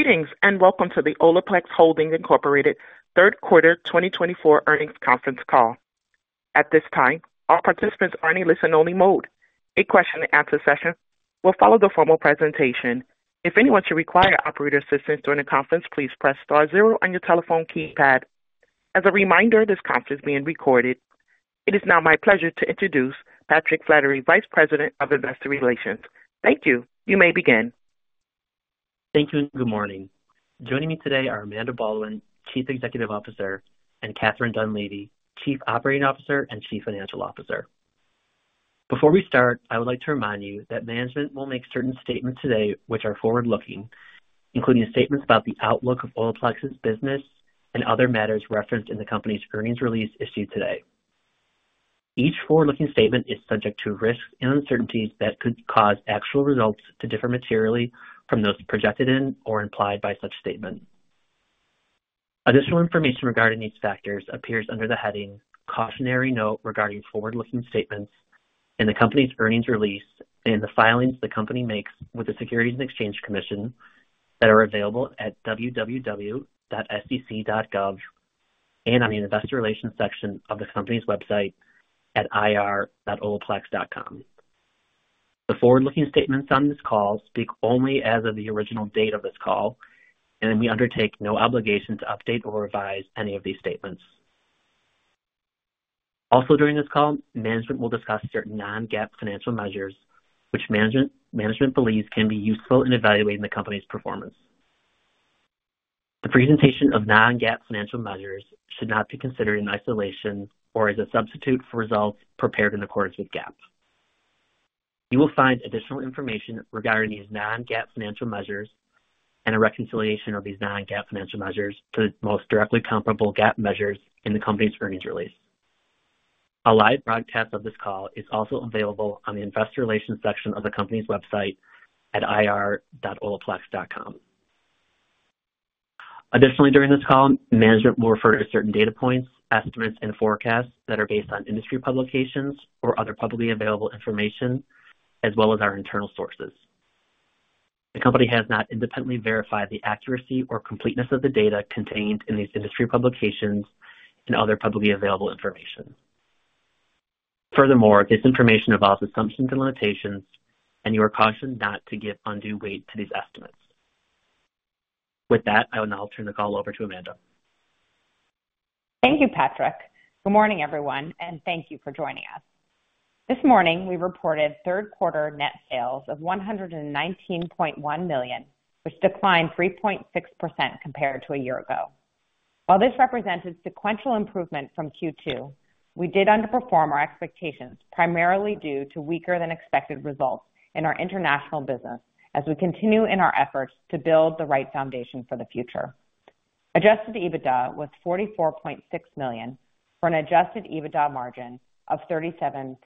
Greetings and welcome to the Olaplex Holdings, Incorporated, third quarter 2024 earnings conference call. At this time, all participants are in a listen-only mode. A question-and-answer session will follow the formal presentation. If anyone should require operator assistance during the conference, please press star zero on your telephone keypad. As a reminder, this conference is being recorded. It is now my pleasure to introduce Patrick Flaherty, Vice President of Investor Relations. Thank you. You may begin. Thank you, and good morning. Joining me today are Amanda Baldwin, Chief Executive Officer, and Catherine Dunleavy, Chief Operating Officer and Chief Financial Officer. Before we start, I would like to remind you that management will make certain statements today which are forward-looking, including statements about the outlook of Olaplex's business and other matters referenced in the company's earnings release issued today. Each forward-looking statement is subject to risks and uncertainties that could cause actual results to differ materially from those projected in or implied by such statement. Additional information regarding these factors appears under the heading "Cautionary Note regarding Forward-Looking Statements" in the company's earnings release and the filings the company makes with the Securities and Exchange Commission that are available at www.sec.gov and on the Investor Relations section of the company's website at ir.olaplex.com. The forward-looking statements on this call speak only as of the original date of this call, and we undertake no obligation to update or revise any of these statements. Also, during this call, management will discuss certain non-GAAP financial measures which management believes can be useful in evaluating the company's performance. The presentation of non-GAAP financial measures should not be considered in isolation or as a substitute for results prepared in accordance with GAAP. You will find additional information regarding these non-GAAP financial measures and a reconciliation of these non-GAAP financial measures to the most directly comparable GAAP measures in the company's earnings release. A live broadcast of this call is also available on the Investor Relations section of the company's website at ir.olaplex.com. Additionally, during this call, management will refer to certain data points, estimates, and forecasts that are based on industry publications or other publicly available information, as well as our internal sources. The company has not independently verified the accuracy or completeness of the data contained in these industry publications and other publicly available information. Furthermore, this information involves assumptions and limitations, and you are cautioned not to give undue weight to these estimates. With that, I will now turn the call over to Amanda. Thank you, Patrick. Good morning, everyone, and thank you for joining us. This morning, we reported third-quarter net sales of $119.1 million, which declined 3.6% compared to a year ago. While this represented sequential improvement from Q2, we did underperform our expectations, primarily due to weaker-than-expected results in our international business as we continue in our efforts to build the right foundation for the future. Adjusted EBITDA was $44.6 million for an adjusted EBITDA margin of 37.5%.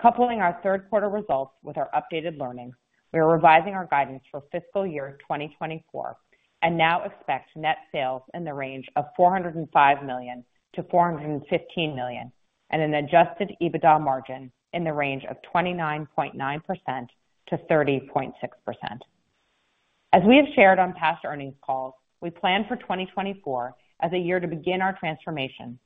Coupling our third-quarter results with our updated learnings, we are revising our guidance for fiscal year 2024 and now expect net sales in the range of $405 million-$415 million and an adjusted EBITDA margin in the range of 29.9%-30.6%. As we have shared on past earnings calls, we plan for 2024 as a year to begin our transformation,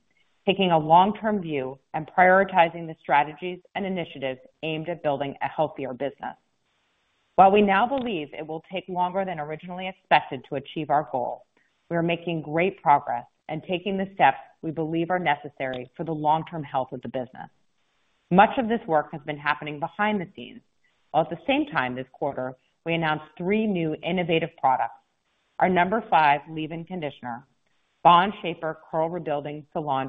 taking a long-term view and prioritizing the strategies and initiatives aimed at building a healthier business. While we now believe it will take longer than originally expected to achieve our goal, we are making great progress and taking the steps we believe are necessary for the long-term health of the business. Much of this work has been happening behind the scenes, while at the same time, this quarter, we announced three new innovative products: our No. 5 Leave-In Conditioner, Bond Shaper Curl Rebuilding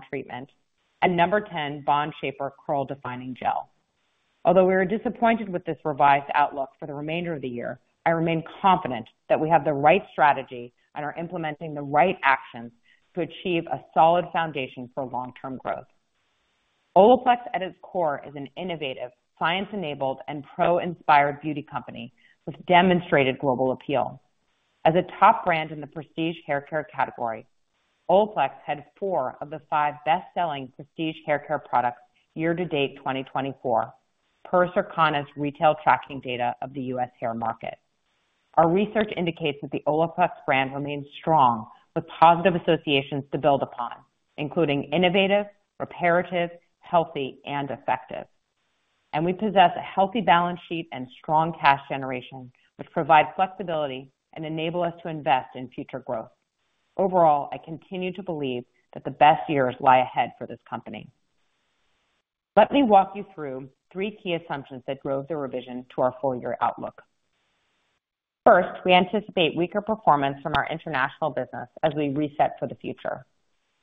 Treatment, and No. 10 Bond Shaper Curl Defining Gel. Although we are disappointed with this revised outlook for the remainder of the year, I remain confident that we have the right strategy and are implementing the right actions to achieve a solid foundation for long-term growth. Olaplex, at its core, is an innovative, science-enabled, and pro-inspired beauty company with demonstrated global appeal. As a top brand in the prestige haircare category, Olaplex had four of the five best-selling prestige haircare products year-to-date 2024 per Circana's retail tracking data of the U.S. hair market. Our research indicates that the Olaplex brand remains strong with positive associations to build upon, including innovative, reparative, healthy, and effective, and we possess a healthy balance sheet and strong cash generation, which provide flexibility and enable us to invest in future growth. Overall, I continue to believe that the best years lie ahead for this company. Let me walk you through three key assumptions that drove the revision to our full-year outlook. First, we anticipate weaker performance from our international business as we reset for the future.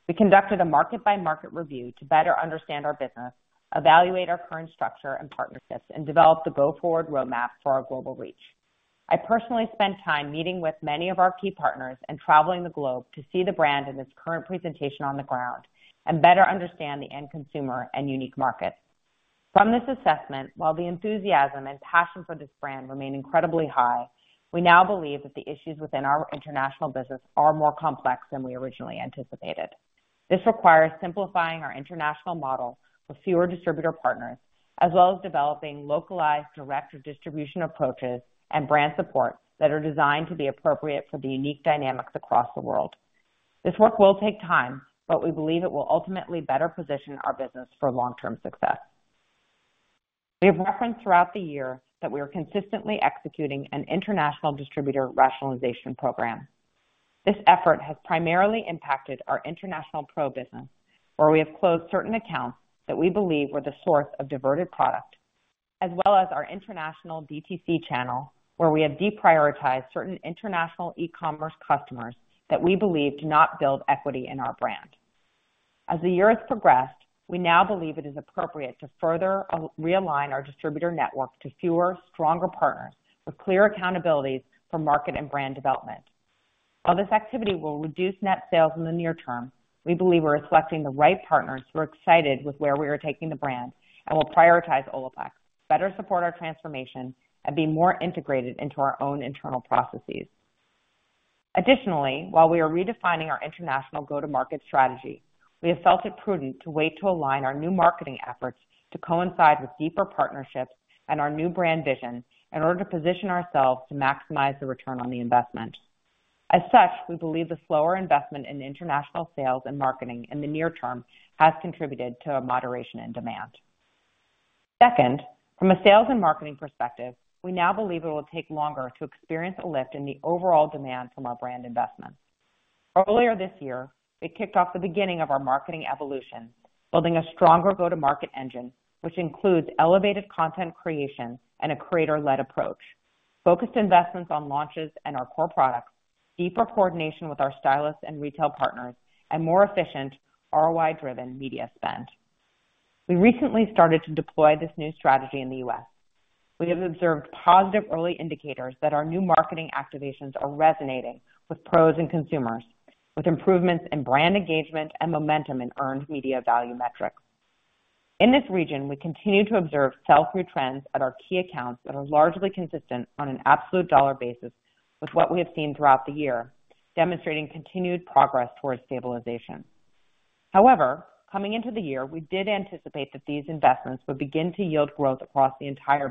We conducted a market-by-market review to better understand our business, evaluate our current structure and partnerships, and develop the go-forward roadmap for our global reach. I personally spent time meeting with many of our key partners and traveling the globe to see the brand in its current presentation on the ground and better understand the end consumer and unique market. From this assessment, while the enthusiasm and passion for this brand remain incredibly high, we now believe that the issues within our international business are more complex than we originally anticipated. This requires simplifying our international model with fewer distributor partners, as well as developing localized direct distribution approaches and brand support that are designed to be appropriate for the unique dynamics across the world. This work will take time, but we believe it will ultimately better position our business for long-term success. We have referenced throughout the year that we are consistently executing an international distributor rationalization program. This effort has primarily impacted our international pro business, where we have closed certain accounts that we believe were the source of diverted product, as well as our international DTC channel, where we have deprioritized certain international e-commerce customers that we believe do not build equity in our brand. As the year has progressed, we now believe it is appropriate to further realign our distributor network to fewer, stronger partners with clear accountabilities for market and brand development. While this activity will reduce net sales in the near term, we believe we're selecting the right partners who are excited with where we are taking the brand and will prioritize Olaplex, better support our transformation, and be more integrated into our own internal processes. Additionally, while we are redefining our international go-to-market strategy, we have felt it prudent to wait to align our new marketing efforts to coincide with deeper partnerships and our new brand vision in order to position ourselves to maximize the return on the investment. As such, we believe the slower investment in international sales and marketing in the near term has contributed to a moderation in demand. Second, from a sales and marketing perspective, we now believe it will take longer to experience a lift in the overall demand from our brand investments. Earlier this year, we kicked off the beginning of our marketing evolution, building a stronger go-to-market engine, which includes elevated content creation and a creator-led approach, focused investments on launches and our core products, deeper coordination with our stylists and retail partners, and more efficient ROI-driven media spend. We recently started to deploy this new strategy in the U.S. We have observed positive early indicators that our new marketing activations are resonating with pros and consumers, with improvements in brand engagement and momentum in earned media value metrics. In this region, we continue to observe sell-through trends at our key accounts that are largely consistent on an absolute dollar basis with what we have seen throughout the year, demonstrating continued progress towards stabilization. However, coming into the year, we did anticipate that these investments would begin to yield growth across the entire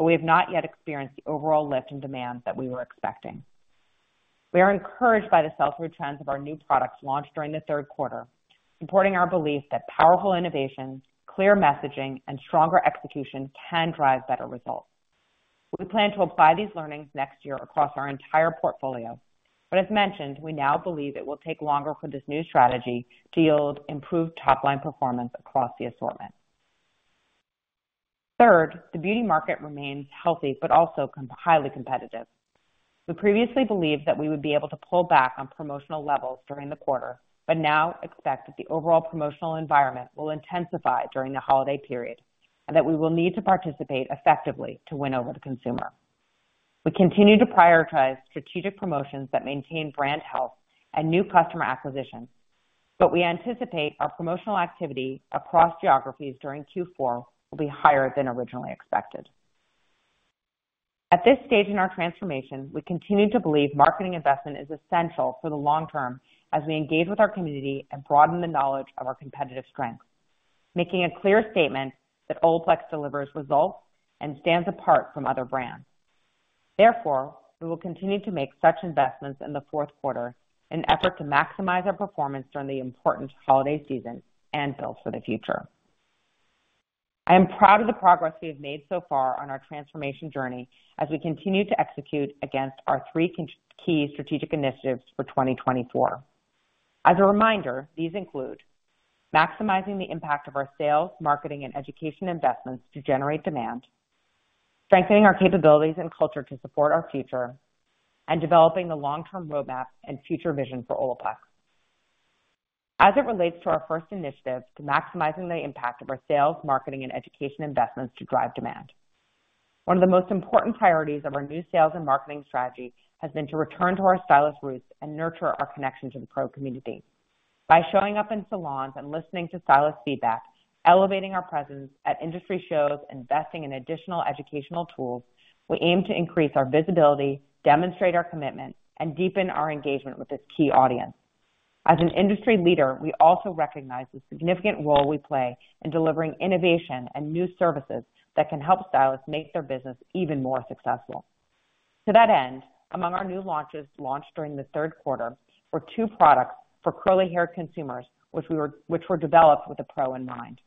business, but we have not yet experienced the overall lift in demand that we were expecting. We are encouraged by the sell-through trends of our new products launched during the third quarter, supporting our belief that powerful innovation, clear messaging, and stronger execution can drive better results. We plan to apply these learnings next year across our entire portfolio, but as mentioned, we now believe it will take longer for this new strategy to yield improved top-line performance across the assortment. Third, the beauty market remains healthy but also highly competitive. We previously believed that we would be able to pull back on promotional levels during the quarter, but now expect that the overall promotional environment will intensify during the holiday period and that we will need to participate effectively to win over the consumer. We continue to prioritize strategic promotions that maintain brand health and new customer acquisition, but we anticipate our promotional activity across geographies during Q4 will be higher than originally expected. At this stage in our transformation, we continue to believe marketing investment is essential for the long term as we engage with our community and broaden the knowledge of our competitive strengths, making a clear statement that Olaplex delivers results and stands apart from other brands. Therefore, we will continue to make such investments in the fourth quarter in an effort to maximize our performance during the important holiday season and build for the future. I am proud of the progress we have made so far on our transformation journey as we continue to execute against our three key strategic initiatives for 2024. As a reminder, these include maximizing the impact of our sales, marketing, and education investments to generate demand, strengthening our capabilities and culture to support our future, and developing the long-term roadmap and future vision for Olaplex as it relates to our first initiative to maximizing the impact of our sales, marketing, and education investments to drive demand. One of the most important priorities of our new sales and marketing strategy has been to return to our stylist roots and nurture our connection to the pro community by showing up in salons and listening to stylist feedback, elevating our presence at industry shows, and investing in additional educational tools. We aim to increase our visibility, demonstrate our commitment, and deepen our engagement with this key audience. As an industry leader, we also recognize the significant role we play in delivering innovation and new services that can help stylists make their business even more successful. To that end, among our new launches launched during the third quarter were two products for curly hair consumers, which were developed with a pro in mind.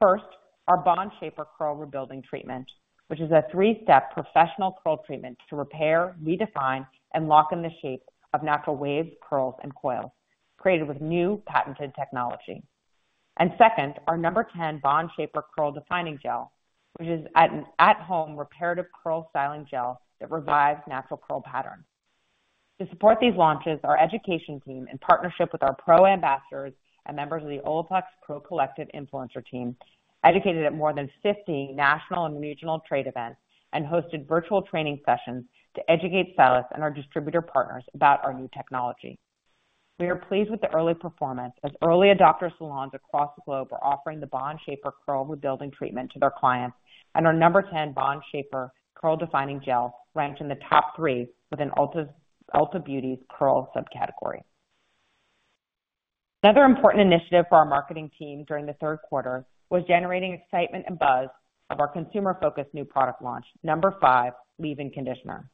First, our Bond Shaper Curl Rebuilding Treatment, which is a three-step professional curl treatment to repair, redefine, and lock in the shape of natural waves, curls, and coils created with new patented technology. And second, our No. 10 Bond Shaper Curl Defining Gel, which is an at-home reparative curl styling gel that revives natural curl patterns. To support these launches, our education team, in partnership with our pro ambassadors and members of the Olaplex Pro Collective influencer team, educated at more than 50 national and regional trade events and hosted virtual training sessions to educate stylists and our distributor partners about our new technology. We are pleased with the early performance as early adopter salons across the globe are offering the Bond Shaper Curl Rebuilding Treatment to their clients, and our No. 10 Bond Shaper Curl Defining Gel ranked in the top three within Ulta Beauty's curl subcategory. Another important initiative for our marketing team during the third quarter was generating excitement and buzz of our consumer-focused new product launch, No. 5 Leave-In Conditioner.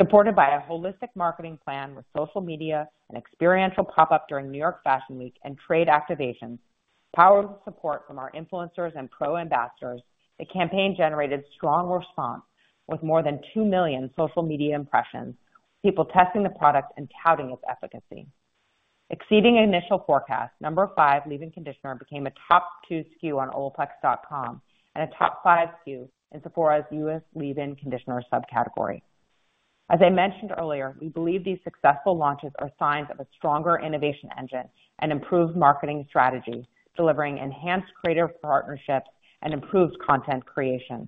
Supported by a holistic marketing plan with social media and experiential pop-up during New York Fashion Week and trade activations, powerful support from our influencers and pro ambassadors, the campaign generated strong response with more than 2 million social media impressions, people testing the product and touting its efficacy. Exceeding initial forecast, No. 5 Leave-In Conditioner became a top two SKU on Olaplex.com and a top five SKU in Sephora's U.S. Leave-In Conditioner subcategory. As I mentioned earlier, we believe these successful launches are signs of a stronger innovation engine and improved marketing strategy, delivering enhanced creative partnerships and improved content creation.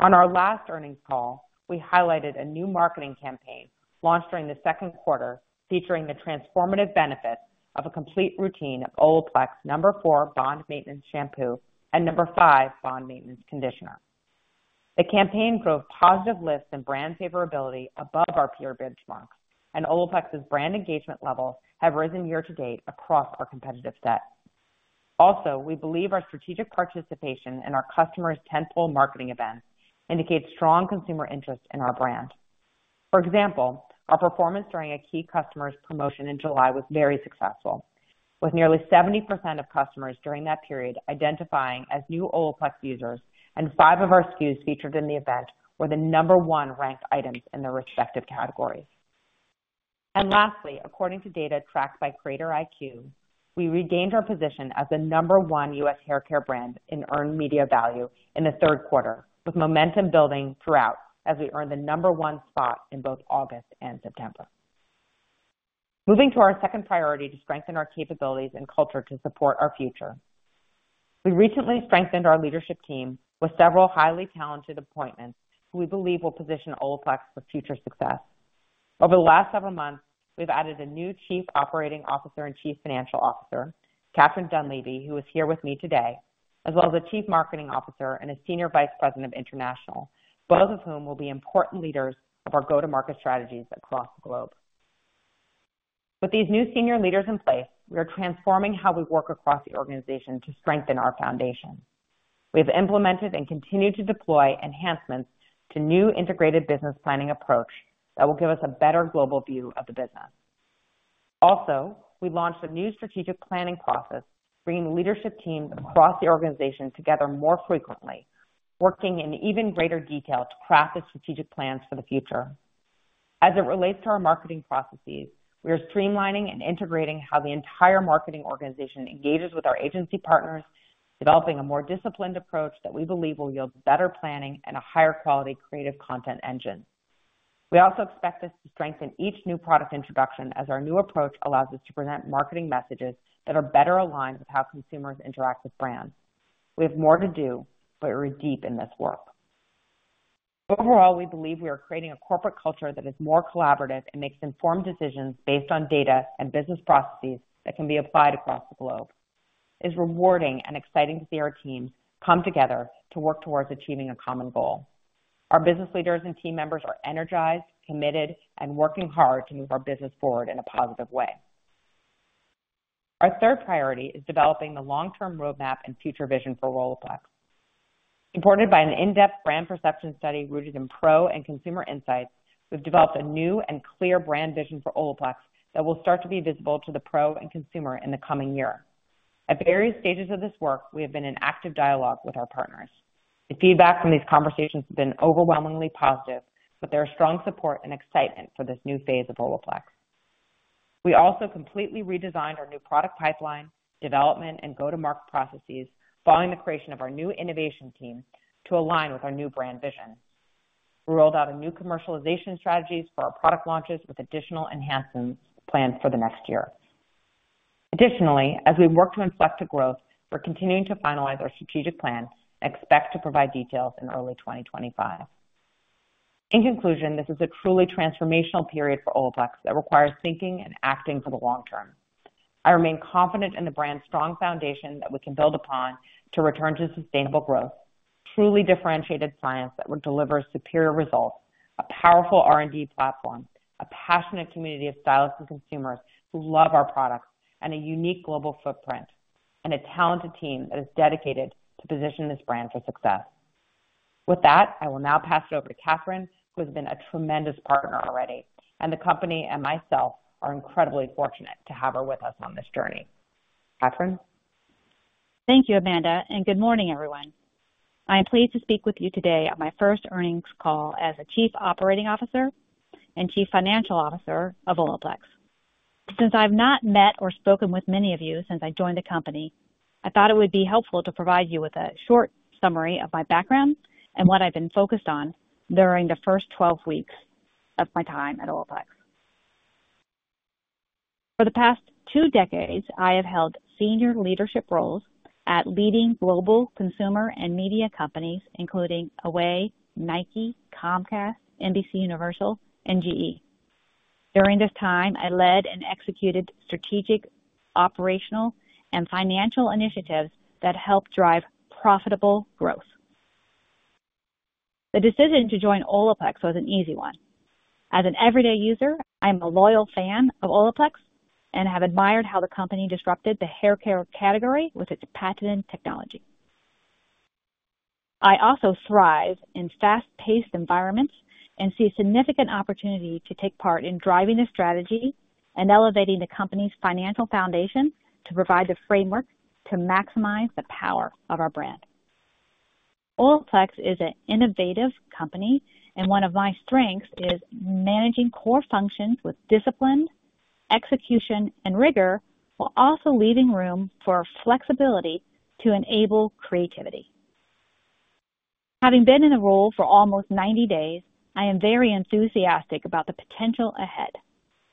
On our last earnings call, we highlighted a new marketing campaign launched during the second quarter featuring the transformative benefits of a complete routine of Olaplex No. 4 Bond Maintenance Shampoo and No. 5 Bond Maintenance Conditioner. The campaign drove positive lift and brand favorability above our peer benchmarks, and Olaplex's brand engagement levels have risen year-to-date across our competitive set. Also, we believe our strategic participation in our customers' tentpole marketing events indicates strong consumer interest in our brand. For example, our performance during a key customer's promotion in July was very successful, with nearly 70% of customers during that period identifying as new Olaplex users, and five of our SKUs featured in the event were the number one ranked items in their respective categories. And lastly, according to data tracked by CreatorIQ, we regained our position as the number one U.S. haircare brand in earned media value in the third quarter, with momentum building throughout as we earned the number one spot in both August and September. Moving to our second priority to strengthen our capabilities and culture to support our future, we recently strengthened our leadership team with several highly talented appointments who we believe will position Olaplex for future success. Over the last several months, we've added a new Chief Operating Officer and Chief Financial Officer, Catherine Dunleavy, who is here with me today, as well as a Chief Marketing Officer and a Senior Vice President of International, both of whom will be important leaders of our go-to-market strategies across the globe. With these new senior leaders in place, we are transforming how we work across the organization to strengthen our foundation. We have implemented and continued to deploy enhancements to a new integrated business planning approach that will give us a better global view of the business. Also, we launched a new strategic planning process, bringing the leadership teams across the organization together more frequently, working in even greater detail to craft the strategic plans for the future. As it relates to our marketing processes, we are streamlining and integrating how the entire marketing organization engages with our agency partners, developing a more disciplined approach that we believe will yield better planning and a higher quality creative content engine. We also expect this to strengthen each new product introduction as our new approach allows us to present marketing messages that are better aligned with how consumers interact with brands. We have more to do, but we're deep in this work. Overall, we believe we are creating a corporate culture that is more collaborative and makes informed decisions based on data and business processes that can be applied across the globe. It is rewarding and exciting to see our teams come together to work towards achieving a common goal. Our business leaders and team members are energized, committed, and working hard to move our business forward in a positive way. Our third priority is developing the long-term roadmap and future vision for Olaplex. Supported by an in-depth brand perception study rooted in pro and consumer insights, we've developed a new and clear brand vision for Olaplex that will start to be visible to the pro and consumer in the coming year. At various stages of this work, we have been in active dialogue with our partners. The feedback from these conversations has been overwhelmingly positive, with their strong support and excitement for this new phase of Olaplex. We also completely redesigned our new product pipeline, development, and go-to-market processes following the creation of our new innovation team to align with our new brand vision. We rolled out a new commercialization strategy for our product launches with additional enhancements planned for the next year. Additionally, as we work to inflect the growth, we're continuing to finalize our strategic plan and expect to provide details in early 2025. In conclusion, this is a truly transformational period for Olaplex that requires thinking and acting for the long term. I remain confident in the brand's strong foundation that we can build upon to return to sustainable growth, truly differentiated clients that would deliver superior results, a powerful R&D platform, a passionate community of stylists and consumers who love our products, and a unique global footprint, and a talented team that is dedicated to positioning this brand for success. With that, I will now pass it over to Catherine, who has been a tremendous partner already, and the company and myself are incredibly fortunate to have her with us on this journey. Catherine. Thank you, Amanda, and good morning, everyone. I am pleased to speak with you today on my first earnings call as a Chief Operating Officer and Chief Financial Officer of Olaplex. Since I've not met or spoken with many of you since I joined the company, I thought it would be helpful to provide you with a short summary of my background and what I've been focused on during the first 12 weeks of my time at Olaplex. For the past two decades, I have held senior leadership roles at leading global consumer and media companies, including Away, Nike, Comcast, NBCUniversal, and GE. During this time, I led and executed strategic operational and financial initiatives that helped drive profitable growth. The decision to join Olaplex was an easy one. As an everyday user, I am a loyal fan of Olaplex and have admired how the company disrupted the haircare category with its patented technology. I also thrive in fast-paced environments and see significant opportunity to take part in driving the strategy and elevating the company's financial foundation to provide the framework to maximize the power of our brand. Olaplex is an innovative company, and one of my strengths is managing core functions with discipline, execution, and rigor, while also leaving room for flexibility to enable creativity. Having been in the role for almost 90 days, I am very enthusiastic about the potential ahead.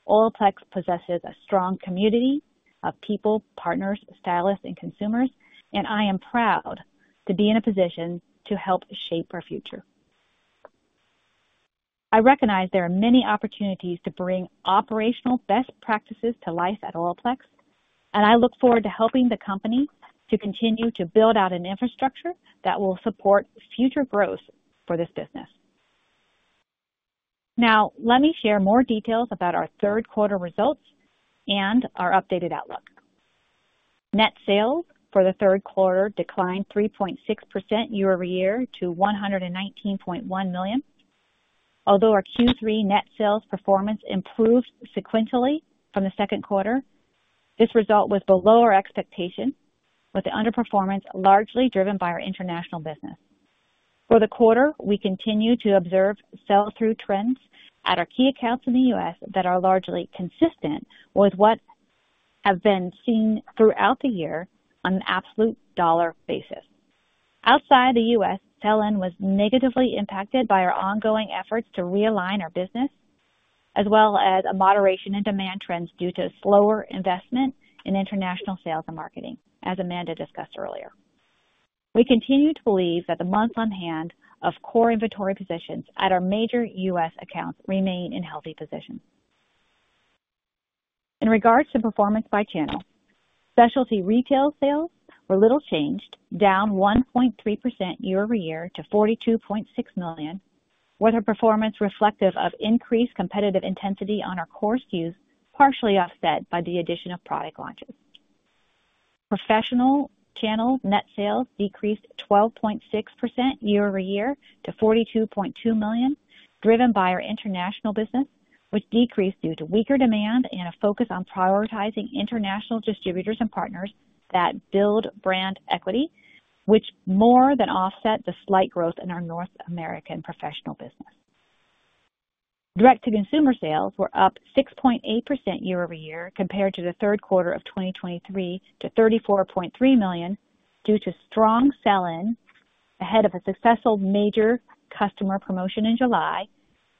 Olaplex possesses a strong community of people, partners, stylists, and consumers, and I am proud to be in a position to help shape our future. I recognize there are many opportunities to bring operational best practices to life at Olaplex, and I look forward to helping the company to continue to build out an infrastructure that will support future growth for this business. Now, let me share more details about our third quarter results and our updated outlook. Net sales for the third quarter declined 3.6% year-over-year to $119.1 million. Although our Q3 net sales performance improved sequentially from the second quarter, this result was below our expectations, with the underperformance largely driven by our international business. For the quarter, we continue to observe sell-through trends at our key accounts in the U.S. that are largely consistent with what has been seen throughout the year on an absolute dollar basis. Outside the U.S., sell-in was negatively impacted by our ongoing efforts to realign our business, as well as moderation in demand trends due to slower investment in international sales and marketing, as Amanda discussed earlier. We continue to believe that the months on hand of core inventory positions at our major U.S. accounts remain in healthy positions. In regards to performance by channel, specialty retail sales were little changed, down 1.3% year-over-year to $42.6 million, with a performance reflective of increased competitive intensity on our core SKUs, partially offset by the addition of product launches. Professional channel net sales decreased 12.6% year-over-year to $42.2 million, driven by our international business, which decreased due to weaker demand and a focus on prioritizing international distributors and partners that build brand equity, which more than offset the slight growth in our North American professional business. Direct-to-consumer sales were up 6.8% year-over-year compared to the third quarter of 2023 to $34.3 million due to strong sell-in ahead of a successful major customer promotion in July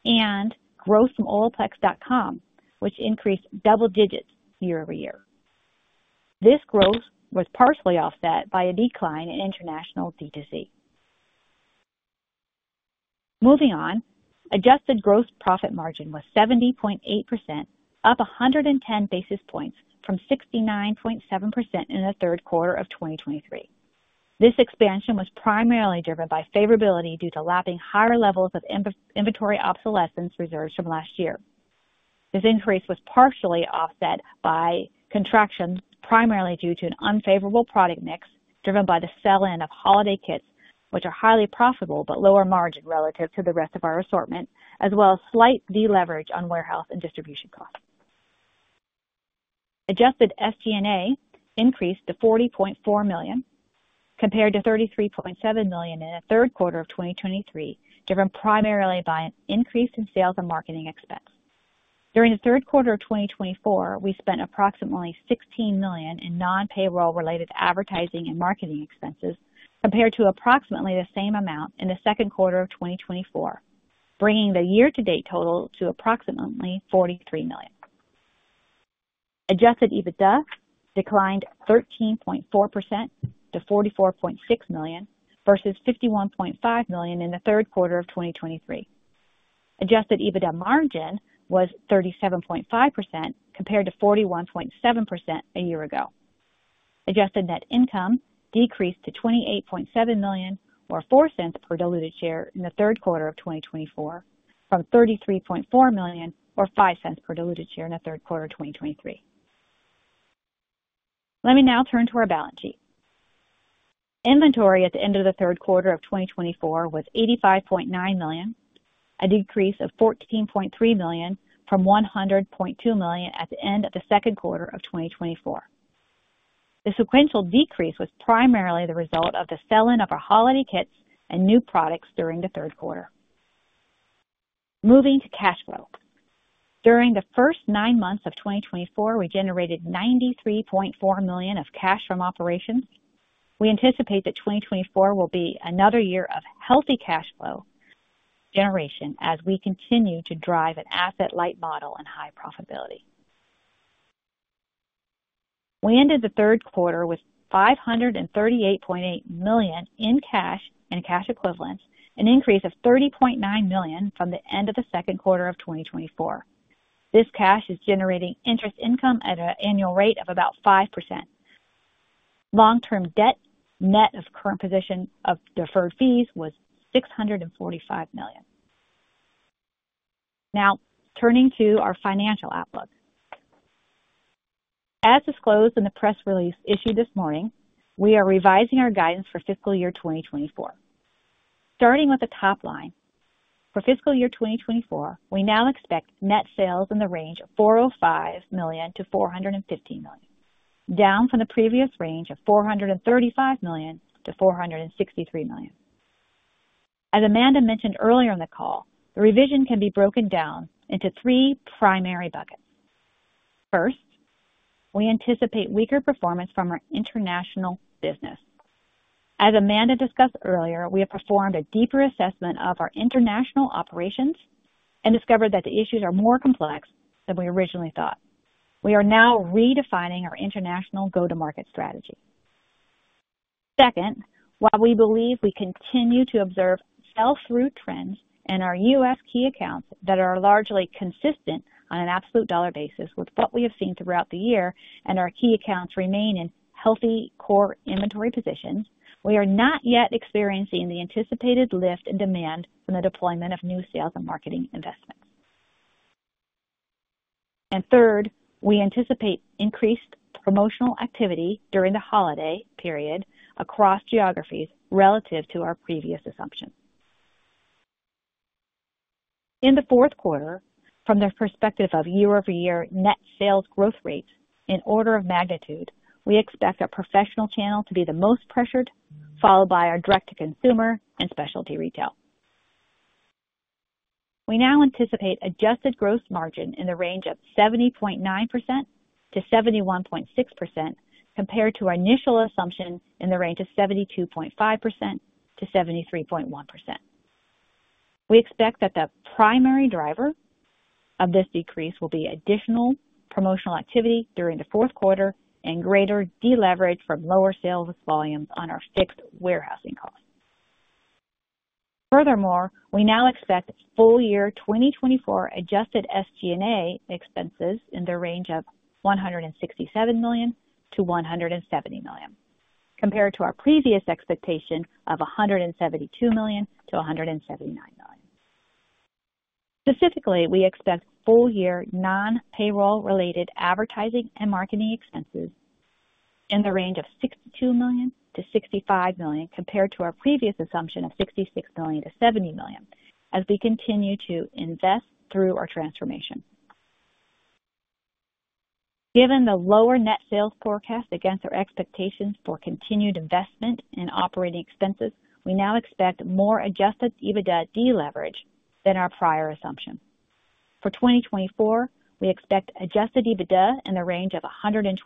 and growth from Olaplex.com, which increased double digits year-over-year. This growth was partially offset by a decline in international DTC. Moving on, adjusted gross profit margin was 70.8%, up 110 basis points from 69.7% in the third quarter of 2023. This expansion was primarily driven by favorability due to lapping higher levels of inventory obsolescence reserves from last year. This increase was partially offset by contractions, primarily due to an unfavorable product mix driven by the sell-in of holiday kits, which are highly profitable but lower margin relative to the rest of our assortment, as well as slight deleverage on warehouse and distribution costs. Adjusted SG&A increased to $40.4 million compared to $33.7 million in the third quarter of 2023, driven primarily by an increase in sales and marketing expense. During the third quarter of 2024, we spent approximately $16 million in non-payroll-related advertising and marketing expenses compared to approximately the same amount in the second quarter of 2024, bringing the year-to-date total to approximately $43 million. Adjusted EBITDA declined 13.4% to $44.6 million versus $51.5 million in the third quarter of 2023. Adjusted EBITDA margin was 37.5% compared to 41.7% a year ago. Adjusted net income decreased to $28.7 million or $0.04 per diluted share in the third quarter of 2024, from $33.4 million or $0.05 per diluted share in the third quarter of 2023. Let me now turn to our balance sheet. Inventory at the end of the third quarter of 2024 was $85.9 million, a decrease of $14.3 million from $100.2 million at the end of the second quarter of 2024. The sequential decrease was primarily the result of the sell-in of our holiday kits and new products during the third quarter. Moving to cash flow. During the first nine months of 2024, we generated $93.4 million of cash from operations. We anticipate that 2024 will be another year of healthy cash flow generation as we continue to drive an asset-light model and high profitability. We ended the third quarter with $538.8 million in cash and cash equivalents, an increase of $30.9 million from the end of the second quarter of 2024. This cash is generating interest income at an annual rate of about 5%. Long-term debt net of current position of deferred fees was $645 million. Now, turning to our financial outlook. As disclosed in the press release issued this morning, we are revising our guidance for fiscal year 2024. Starting with the top line, for fiscal year 2024, we now expect net sales in the range of $405 million-$415 million, down from the previous range of $435 million-$463 million. As Amanda mentioned earlier in the call, the revision can be broken down into three primary buckets. First, we anticipate weaker performance from our international business. As Amanda discussed earlier, we have performed a deeper assessment of our international operations and discovered that the issues are more complex than we originally thought. We are now redefining our international go-to-market strategy. Second, while we believe we continue to observe sell-through trends in our U.S.. key accounts that are largely consistent on an absolute dollar basis with what we have seen throughout the year and our key accounts remain in healthy core inventory positions, we are not yet experiencing the anticipated lift in demand from the deployment of new sales and marketing investments. And third, we anticipate increased promotional activity during the holiday period across geographies relative to our previous assumption. In the fourth quarter, from the perspective of year-over-year net sales growth rates in order of magnitude, we expect our professional channel to be the most pressured, followed by our direct-to-consumer and specialty retail. We now anticipate adjusted gross margin in the range of 70.9%-71.6% compared to our initial assumption in the range of 72.5%-73.1%. We expect that the primary driver of this decrease will be additional promotional activity during the fourth quarter and greater deleverage from lower sales volumes on our fixed warehousing costs. Furthermore, we now expect full-year 2024 adjusted SG&A expenses in the range of $167 million-$170 million compared to our previous expectation of $172 million-$179 million. Specifically, we expect full-year non-payroll-related advertising and marketing expenses in the range of $62 million-$65 million compared to our previous assumption of $66 million-$70 million as we continue to invest through our transformation. Given the lower net sales forecast against our expectations for continued investment in operating expenses, we now expect more adjusted EBITDA deleverage than our prior assumption. For 2024, we expect adjusted EBITDA in the range of $121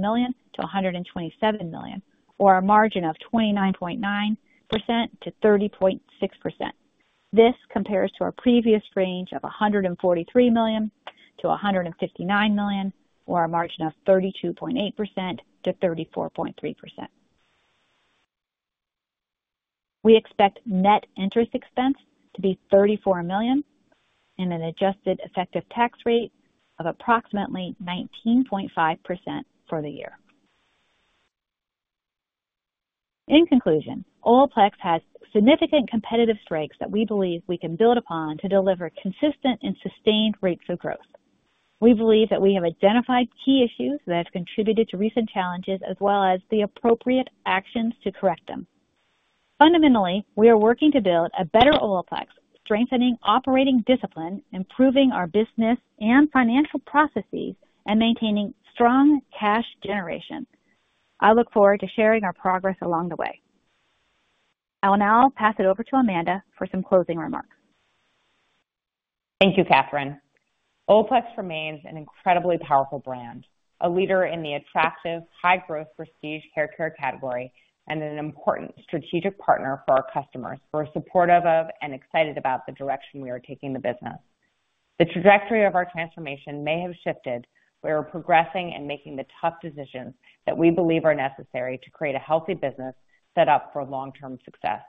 million-$127 million or a margin of 29.9%-30.6%. This compares to our previous range of $143 million-$159 million or a margin of 32.8%-34.3%. We expect net interest expense to be $34 million and an adjusted effective tax rate of approximately 19.5% for the year. In conclusion, Olaplex has significant competitive strengths that we believe we can build upon to deliver consistent and sustained rates of growth. We believe that we have identified key issues that have contributed to recent challenges as well as the appropriate actions to correct them. Fundamentally, we are working to build a better Olaplex, strengthening operating discipline, improving our business and financial processes, and maintaining strong cash generation. I look forward to sharing our progress along the way. I'll now pass it over to Amanda for some closing remarks. Thank you, Catherine. Olaplex remains an incredibly powerful brand, a leader in the attractive, high-growth, prestige haircare category, and an important strategic partner for our customers who are supportive of and excited about the direction we are taking the business. The trajectory of our transformation may have shifted, but we are progressing and making the tough decisions that we believe are necessary to create a healthy business set up for long-term success.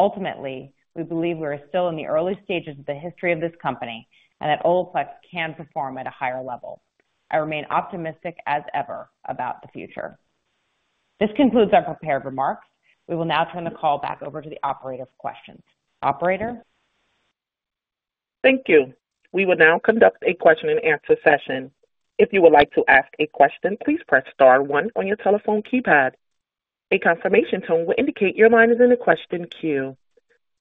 Ultimately, we believe we are still in the early stages of the history of this company and that Olaplex can perform at a higher level. I remain optimistic as ever about the future. This concludes our prepared remarks. We will now turn the call back over to the operator for questions. Operator. Thank you. We will now conduct a question-and-answer session. If you would like to ask a question, please press star one on your telephone keypad. A confirmation tone will indicate your line is in the question queue.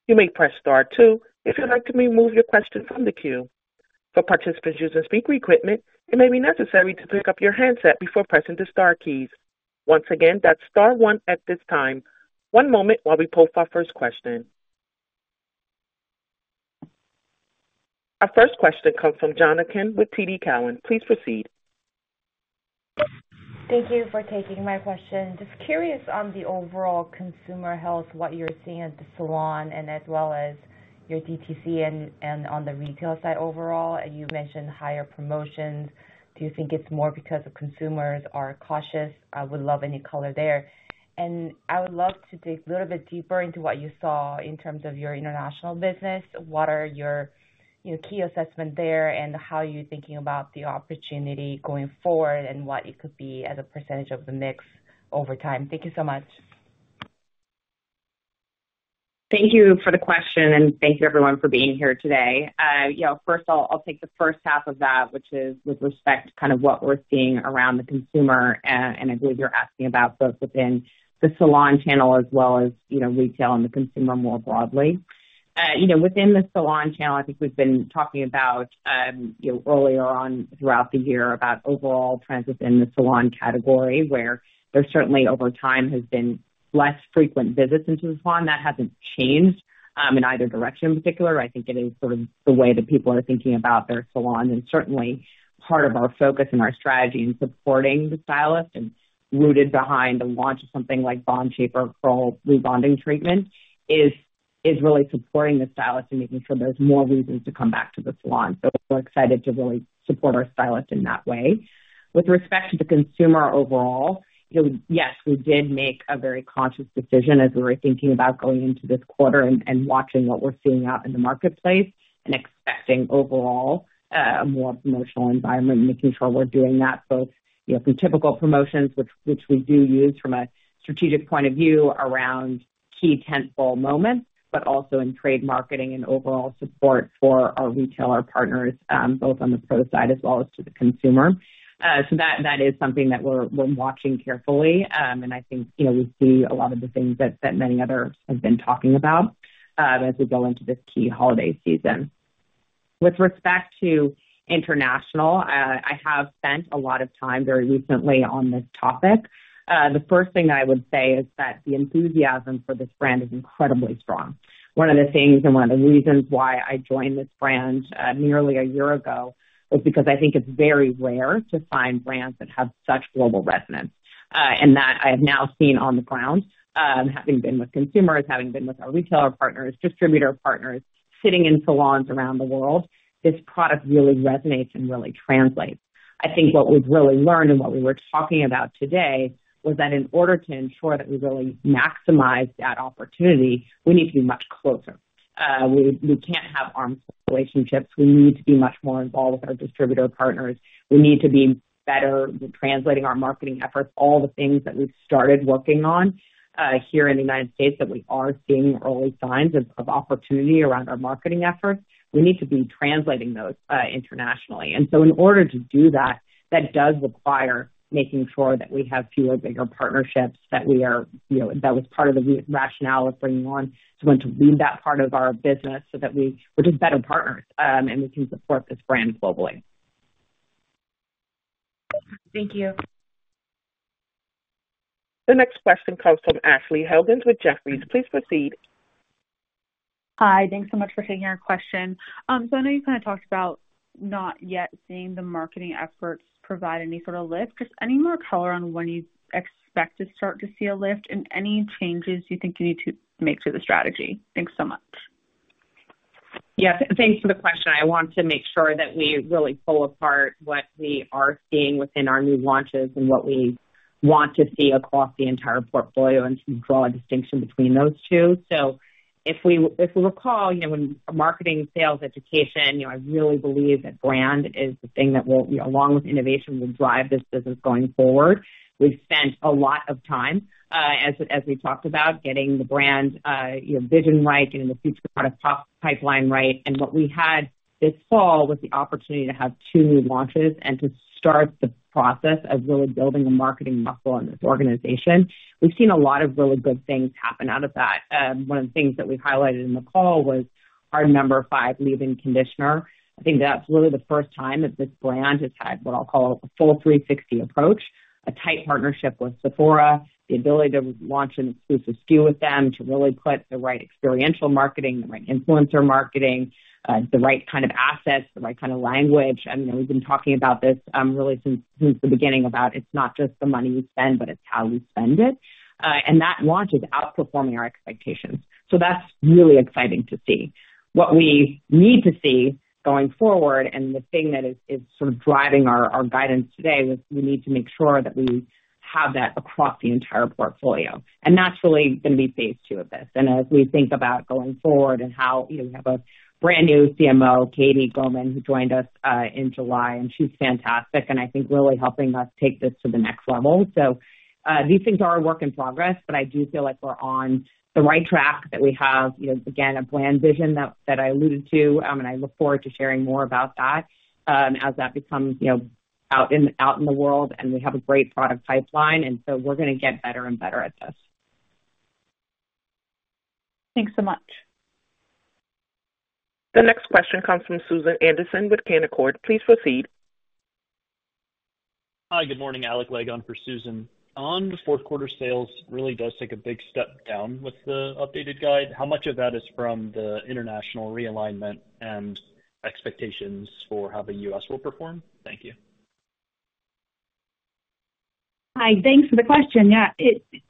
You may press star two if you'd like to remove your question from the queue. For participants using speaker equipment, it may be necessary to pick up your handset before pressing the Star keys. Once again, that's star one at this time. One moment while we poll our first question. Our first question comes from Jonathan with TD Cowen. Please proceed. Thank you for taking my question. Just curious on the overall consumer health, what you're seeing at the salon and as well as your DTC and on the retail side overall. You mentioned higher promotions. Do you think it's more because consumers are cautious? I would love any color there, and I would love to dig a little bit deeper into what you saw in terms of your international business. What are your key assessments there and how are you thinking about the opportunity going forward and what it could be as a percentage of the mix over time? Thank you so much. Thank you for the question, and thank you, everyone, for being here today. First, I'll take the first half of that, which is with respect to kind of what we're seeing around the consumer. And I believe you're asking about both within the salon channel as well as retail and the consumer more broadly. Within the salon channel, I think we've been talking about earlier on throughout the year about overall trends within the salon category, where there certainly over time has been less frequent visits into the salon. That hasn't changed in either direction in particular. I think it is sort of the way that people are thinking about their salon. And certainly, part of our focus and our strategy in supporting the stylist and rooted behind the launch of something like Bond Shaper Curl Rebuilding Treatment is really supporting the stylist and making sure there's more reasons to come back to the salon. So we're excited to really support our stylist in that way. With respect to the consumer overall, yes, we did make a very conscious decision as we were thinking about going into this quarter and watching what we're seeing out in the marketplace and expecting overall a more promotional environment, making sure we're doing that both from typical promotions, which we do use from a strategic point of view around key tentpole moments, but also in trade marketing and overall support for our retailer partners, both on the pro side as well as to the consumer. So that is something that we're watching carefully. And I think we see a lot of the things that many others have been talking about as we go into this key holiday season. With respect to international, I have spent a lot of time very recently on this topic. The first thing that I would say is that the enthusiasm for this brand is incredibly strong. One of the things and one of the reasons why I joined this brand nearly a year ago was because I think it's very rare to find brands that have such global resonance. And that I have now seen on the ground, having been with consumers, having been with our retailer partners, distributor partners, sitting in salons around the world, this product really resonates and really translates. I think what we've really learned and what we were talking about today was that in order to ensure that we really maximize that opportunity, we need to be much closer. We can't have arms-length relationships. We need to be much more involved with our distributor partners. We need to be better translating our marketing efforts, all the things that we've started working on here in the United States that we are seeing early signs of opportunity around our marketing efforts. We need to be translating those internationally. And so in order to do that, that does require making sure that we have fewer bigger partnerships that we are, that was part of the rationale of bringing on someone to lead that part of our business so that we're just better partners and we can support this brand globally. Thank you. The next question comes from Ashley Helgans with Jefferies. Please proceed. Hi. Thanks so much for taking our question. So I know you kind of talked about not yet seeing the marketing efforts provide any sort of lift. Just any more color on when you expect to start to see a lift and any changes you think you need to make to the strategy? Thanks so much. Yes. Thanks for the question. I want to make sure that we really pull apart what we are seeing within our new launches and what we want to see across the entire portfolio and draw a distinction between those two. So if we recall, when marketing sales education, I really believe that brand is the thing that will, along with innovation, will drive this business going forward. We've spent a lot of time, as we talked about, getting the brand vision right and the future product pipeline right. And what we had this fall was the opportunity to have two new launches and to start the process of really building a marketing muscle in this organization. We've seen a lot of really good things happen out of that. One of the things that we highlighted in the call was our No. 5 Leave-In Conditioner. I think that's really the first time that this brand has had what I'll call a full 360 approach, a tight partnership with Sephora, the ability to launch an exclusive SKU with them to really put the right experiential marketing, the right influencer marketing, the right kind of assets, the right kind of language. I mean, we've been talking about this really since the beginning about it's not just the money we spend, but it's how we spend it. And that launch is outperforming our expectations. So that's really exciting to see. What we need to see going forward and the thing that is sort of driving our guidance today is we need to make sure that we have that across the entire portfolio. And that's really going to be phase two of this. And as we think about going forward and how we have a brand new CMO, Katie Gohman, who joined us in July, and she's fantastic and I think really helping us take this to the next level. So these things are a work in progress, but I do feel like we're on the right track that we have, again, a brand vision that I alluded to, and I look forward to sharing more about that as that becomes out in the world. And we have a great product pipeline, and so we're going to get better and better at this. Thanks so much. The next question comes from Susan Anderson with Canaccord. Please proceed. Hi. Good morning. Alec Legg for Susan. On the fourth quarter sales really does take a big step down with the updated guide. How much of that is from the international realignment and expectations for how the U.S. will perform? Thank you. Hi. Thanks for the question. Yeah.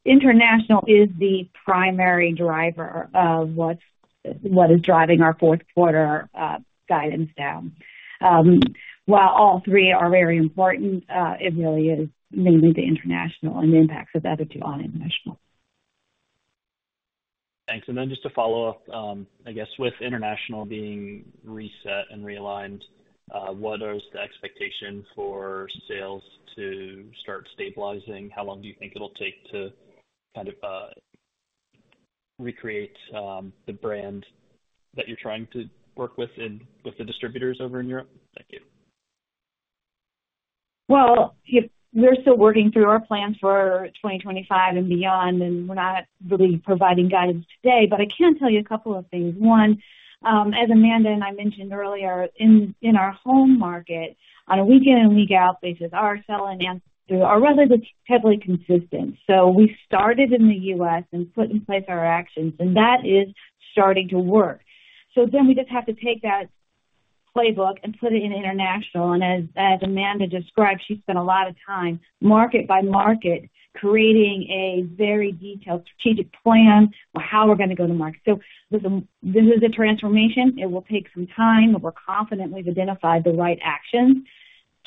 International is the primary driver of what is driving our fourth quarter guidance down. While all three are very important, it really is mainly the international and the impacts of the other two on international. Thanks. And then just to follow up, I guess, with international being reset and realigned, what is the expectation for sales to start stabilizing? How long do you think it'll take to kind of recreate the brand that you're trying to work with with the distributors over in Europe? Thank you. We're still working through our plans for 2025 and beyond, and we're not really providing guidance today. I can tell you a couple of things. One, as Amanda and I mentioned earlier, in our home market, on a week-in and week-out basis, our selling through our revenue is heavily consistent. We started in the U.S. and put in place our actions, and that is starting to work. We just have to take that playbook and put it in international. As Amanda described, she spent a lot of time market by market creating a very detailed strategic plan for how we're going to go to market. This is a transformation. It will take some time, but we're confident we've identified the right actions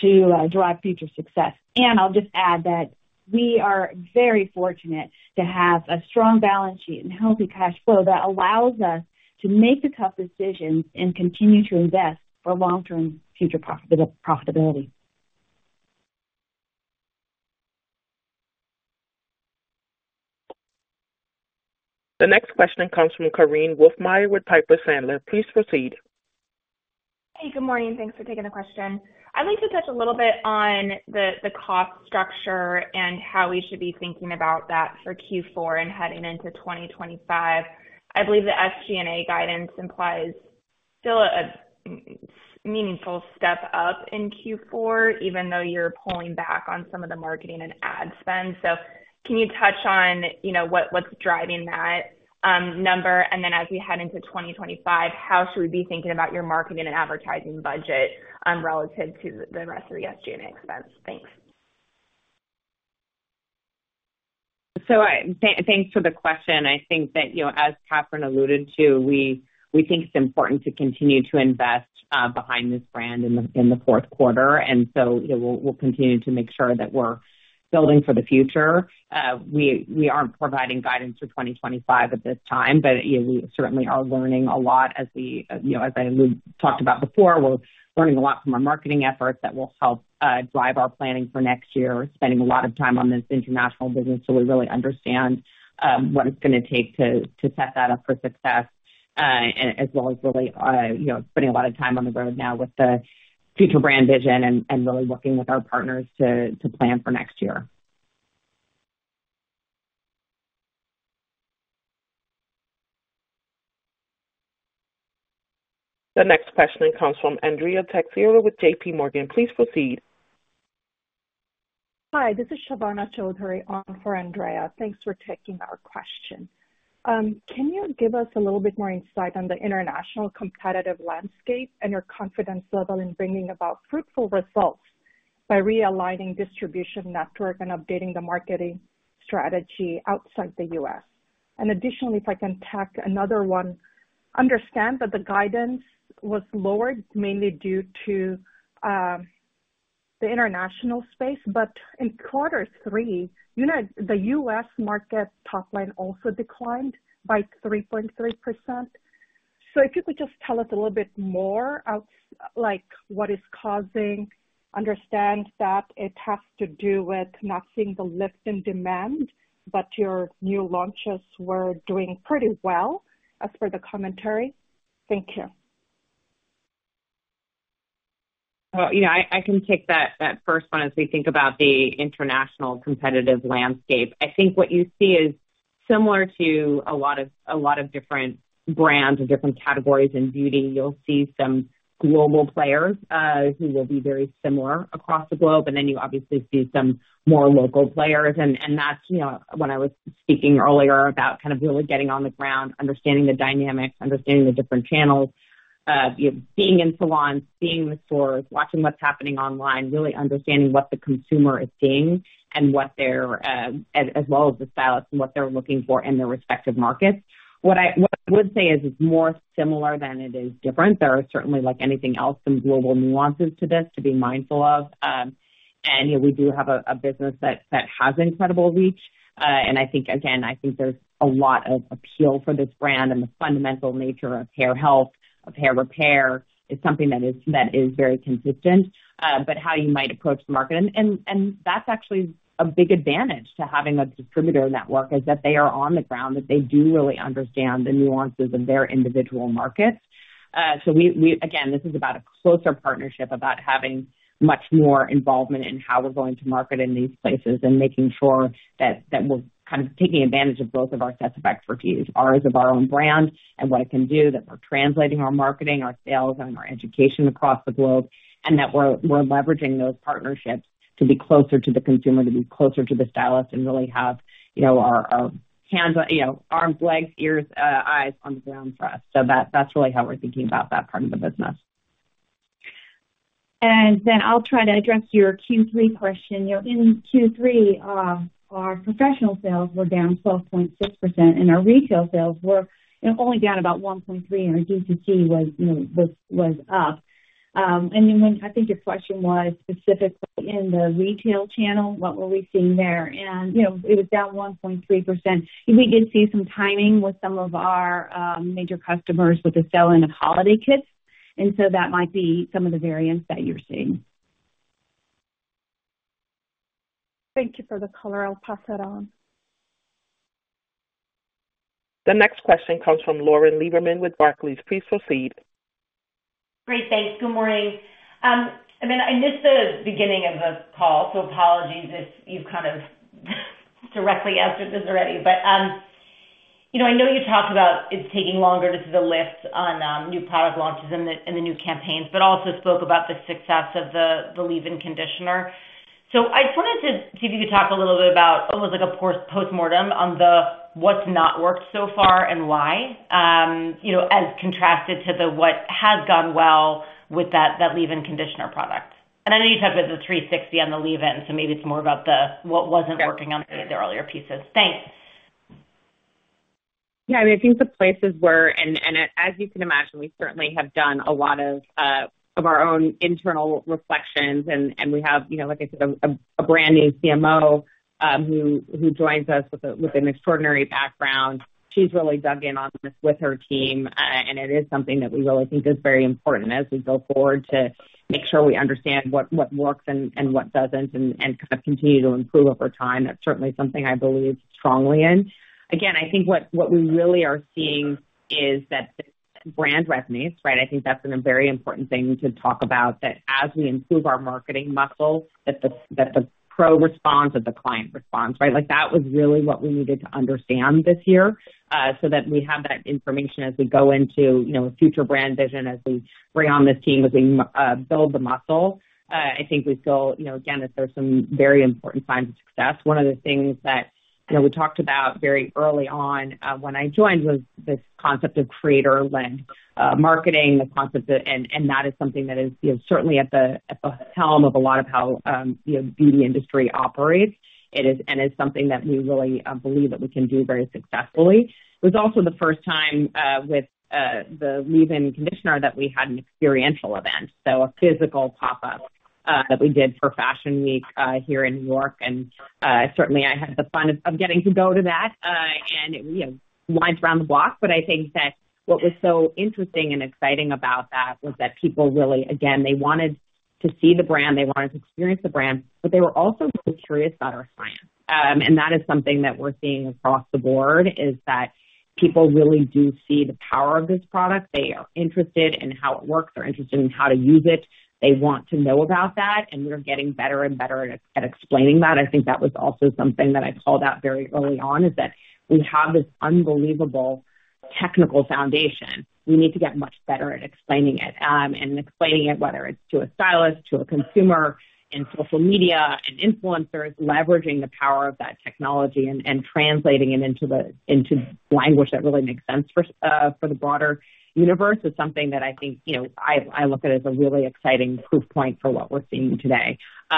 to drive future success. And I'll just add that we are very fortunate to have a strong balance sheet and healthy cash flow that allows us to make the tough decisions and continue to invest for long-term future profitability. The next question comes from Korinne Wolfmeyer with Piper Sandler. Please proceed. Hey, good morning. Thanks for taking the question. I'd like to touch a little bit on the cost structure and how we should be thinking about that for Q4 and heading into 2025. I believe the SG&A guidance implies still a meaningful step up in Q4, even though you're pulling back on some of the marketing and ad spend. So can you touch on what's driving that number? And then as we head into 2025, how should we be thinking about your marketing and advertising budget relative to the rest of the SG&A expense? Thanks. So thanks for the question. I think that, as Catherine alluded to, we think it's important to continue to invest behind this brand in the fourth quarter. And so we'll continue to make sure that we're building for the future. We aren't providing guidance for 2025 at this time, but we certainly are learning a lot as I talked about before. We're learning a lot from our marketing efforts that will help drive our planning for next year, spending a lot of time on this international business so we really understand what it's going to take to set that up for success, as well as really spending a lot of time on the road now with the future brand vision and really working with our partners to plan for next year. The next question comes from Andrea Teixeira with J.P. Morgan. Please proceed. Hi. This is Shovana Chowdhury for Andrea. Thanks for taking our question. Can you give us a little bit more insight on the international competitive landscape and your confidence level in bringing about fruitful results by realigning distribution network and updating the marketing strategy outside the U.S.? And additionally, if I can tack another one, understand that the guidance was lowered mainly due to the international space, but in quarter three, the U.S. market top line also declined by 3.3%. So if you could just tell us a little bit more about what is causing? Understand that it has to do with not seeing the lift in demand, but your new launches were doing pretty well as per the commentary. Thank you. I can take that first one as we think about the international competitive landscape. I think what you see is similar to a lot of different brands and different categories in beauty. You'll see some global players who will be very similar across the globe. And then you obviously see some more local players. And that's when I was speaking earlier about kind of really getting on the ground, understanding the dynamics, understanding the different channels, being in salons, being in the stores, watching what's happening online, really understanding what the consumer is seeing and as well as the stylist and what they're looking for in their respective markets. What I would say is it's more similar than it is different. There are certainly, like anything else, some global nuances to this to be mindful of. And we do have a business that has incredible reach. And I think, again, I think there's a lot of appeal for this brand and the fundamental nature of hair health, of hair repair is something that is very consistent. How you might approach the market, and that's actually a big advantage to having a distributor network, is that they are on the ground, that they do really understand the nuances of their individual markets. Again, this is about a closer partnership, about having much more involvement in how we're going to market in these places and making sure that we're kind of taking advantage of both of our sets of expertise, ours of our own brand and what it can do, that we're translating our marketing, our sales, and our education across the globe, and that we're leveraging those partnerships to be closer to the consumer, to be closer to the stylist, and really have our hands, arms, legs, ears, eyes on the ground for us. That's really how we're thinking about that part of the business. I'll try to address your Q3 question. In Q3, our professional sales were down 12.6%, and our retail sales were only down about 1.3%, and our DTC was up. And then I think your question was specifically in the retail channel, what were we seeing there? And it was down 1.3%. We did see some timing with some of our major customers with the sell-in of holiday kits. And so that might be some of the variants that you're seeing. Thank you for the color. I'll pass that on. The next question comes from Lauren Lieberman with Barclays. Please proceed. Great. Thanks. Good morning. I mean, I missed the beginning of the call, so apologies if you've kind of directly answered this already. But I know you talked about it taking longer to see the lift on new product launches and the new campaigns, but also spoke about the success of the leave-in conditioner. So, I just wanted to see if you could talk a little bit about almost like a postmortem on what's not worked so far and why, as contrasted to what has gone well with that leave-in conditioner product. And I know you talked about the 360 on the leave-in, so maybe it's more about what wasn't working on any of the earlier pieces. Thanks. Yeah. I mean, I think the places where and as you can imagine, we certainly have done a lot of our own internal reflections, and we have, like I said, a brand new CMO who joins us with an extraordinary background. She's really dug in on this with her team, and it is something that we really think is very important as we go forward to make sure we understand what works and what doesn't and kind of continue to improve over time. That's certainly something I believe strongly in. Again, I think what we really are seeing is that brand revenues, right? I think that's been a very important thing to talk about, that as we improve our marketing muscle, that the pro response and the client response, right? That was really what we needed to understand this year so that we have that information as we go into future brand vision, as we bring on this team, as we build the muscle. I think we still, again, that there's some very important signs of success. One of the things that we talked about very early on when I joined was this concept of creator-led marketing, the concept, and that is something that is certainly at the helm of a lot of how the beauty industry operates and is something that we really believe that we can do very successfully. It was also the first time with the leave-in conditioner that we had an experiential event, so a physical pop-up that we did for Fashion Week here in New York, and certainly, I had the fun of getting to go to that, and it went around the block, but I think that what was so interesting and exciting about that was that people really, again, they wanted to see the brand, they wanted to experience the brand, but they were also really curious about our science, and that is something that we're seeing across the board, is that people really do see the power of this product. They are interested in how it works. They're interested in how to use it. They want to know about that, and we're getting better and better at explaining that. I think that was also something that I called out very early on, is that we have this unbelievable technical foundation. We need to get much better at explaining it and explaining it, whether it's to a stylist, to a consumer in social media and influencers, leveraging the power of that technology and translating it into language that really makes sense for the broader universe is something that I think I look at as a really exciting proof point for what we're seeing today. But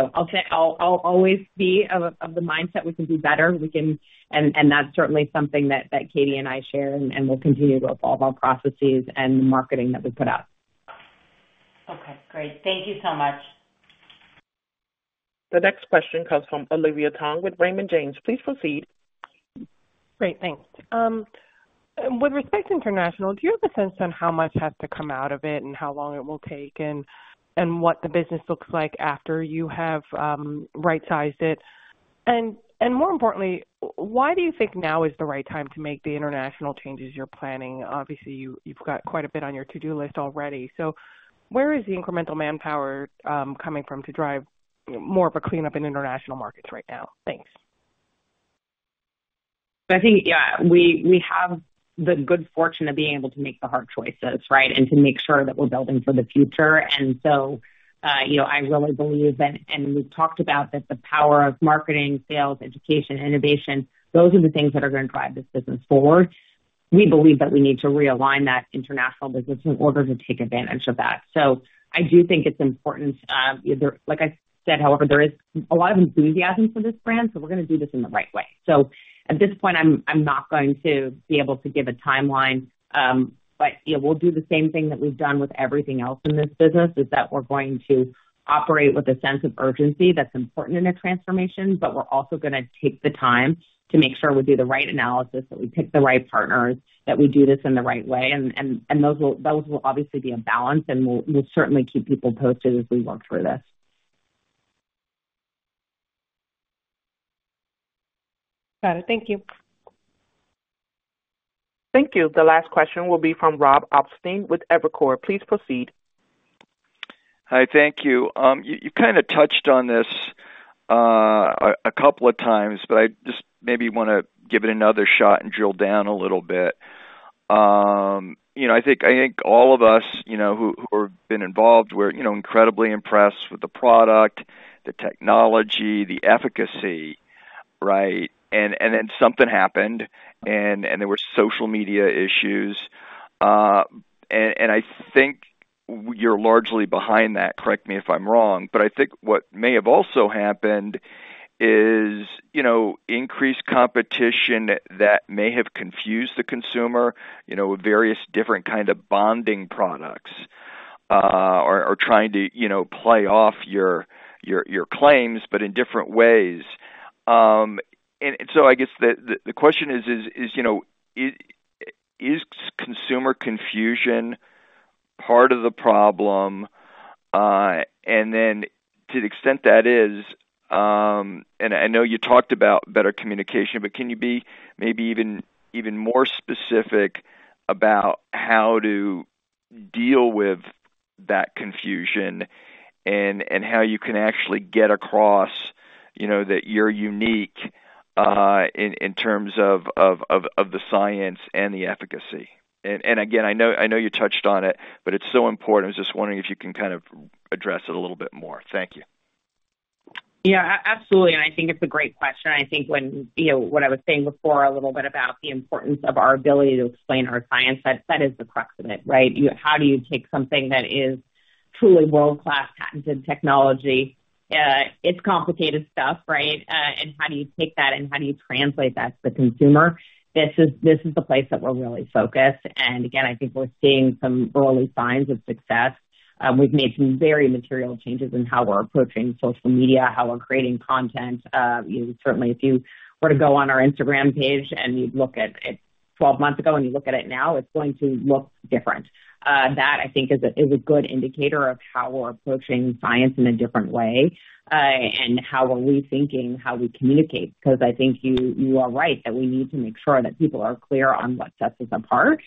I'll always be of the mindset we can do better, and that's certainly something that Katie and I share, and we'll continue to evolve our processes and the marketing that we put out. Okay. Great. Thank you so much. The next question comes from Olivia Tong with Raymond James. Please proceed. Great. Thanks. With respect to international, do you have a sense on how much has to come out of it and how long it will take and what the business looks like after you have right-sized it? And more importantly, why do you think now is the right time to make the international changes you're planning? Obviously, you've got quite a bit on your to-do list already. So where is the incremental manpower coming from to drive more of a cleanup in international markets right now? Thanks. I think, yeah, we have the good fortune of being able to make the hard choices, right, and to make sure that we're building for the future. And so I really believe, and we've talked about that the power of marketing, sales, education, innovation, those are the things that are going to drive this business forward. We believe that we need to realign that international business in order to take advantage of that. So I do think it's important. Like I said, however, there is a lot of enthusiasm for this brand, so we're going to do this in the right way. So at this point, I'm not going to be able to give a timeline, but we'll do the same thing that we've done with everything else in this business, is that we're going to operate with a sense of urgency that's important in a transformation, but we're also going to take the time to make sure we do the right analysis, that we pick the right partners, that we do this in the right way. And those will obviously be a balance, and we'll certainly keep people posted as we work through this. Got it. Thank you. Thank you. The last question will be from Robert Ottenstein with Evercore. Please proceed. Hi. Thank you. You kind of touched on this a couple of times, but I just maybe want to give it another shot and drill down a little bit. I think all of us who have been involved were incredibly impressed with the product, the technology, the efficacy, right? And then something happened, and there were social media issues. And I think you're largely behind that. Correct me if I'm wrong, but I think what may have also happened is increased competition that may have confused the consumer with various different kinds of bonding products or trying to play off your claims, but in different ways. And so I guess the question is, is consumer confusion part of the problem? And then to the extent that is, and I know you talked about better communication, but can you be maybe even more specific about how to deal with that confusion and how you can actually get across that you're unique in terms of the science and the efficacy? And again, I know you touched on it, but it's so important. I was just wondering if you can kind of address it a little bit more. Thank you. Yeah. Absolutely. And I think it's a great question. I think what I was saying before a little bit about the importance of our ability to explain our science, that is the crux of it, right? How do you take something that is truly world-class patented technology? It's complicated stuff, right? And how do you take that and how do you translate that to the consumer? This is the place that we're really focused. And again, I think we're seeing some early signs of success. We've made some very material changes in how we're approaching social media, how we're creating content. Certainly, if you were to go on our Instagram page and you'd look at it 12 months ago and you look at it now, it's going to look different. That, I think, is a good indicator of how we're approaching science in a different way and how we're rethinking how we communicate. Because I think you are right that we need to make sure that people are clear on what sets us apart.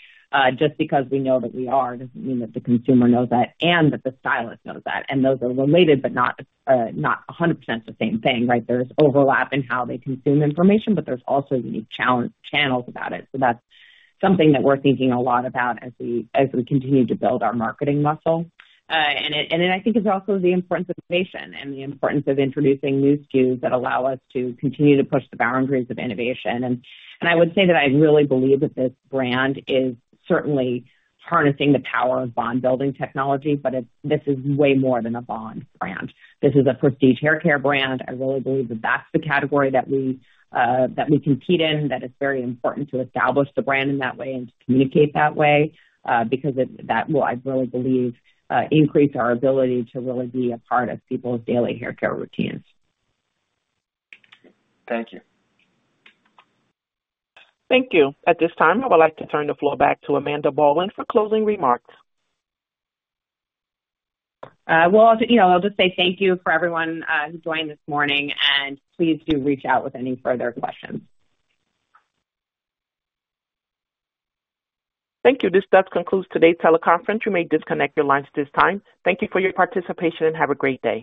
Just because we know that we are doesn't mean that the consumer knows that and that the stylist knows that. And those are related, but not 100% the same thing, right? There's overlap in how they consume information, but there's also unique channels about it. So that's something that we're thinking a lot about as we continue to build our marketing muscle. And then I think it's also the importance of innovation and the importance of introducing new SKUs that allow us to continue to push the boundaries of innovation. And I would say that I really believe that this brand is certainly harnessing the power of bond-building technology, but this is way more than a bond brand. This is a prestige haircare brand. I really believe that that's the category that we compete in, that it's very important to establish the brand in that way and to communicate that way because that will, I really believe, increase our ability to really be a part of people's daily haircare routines. Thank you. Thank you. At this time, I would like to turn the floor back to Amanda Baldwin for closing remarks. Well, I'll just say thank you for everyone who joined this morning, and please do reach out with any further questions. Thank you. This does conclude today's teleconference. You may disconnect your lines at this time. Thank you for your participation and have a great day.